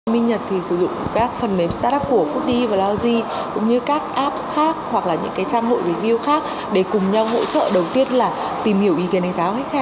minh nhật thì sử dụng các phần mềm start up của foodie và laozi cũng như các apps khác hoặc là những cái trang hội review khác để cùng nhau hỗ trợ đầu tiên là tìm hiểu ý kiến hay giải quyết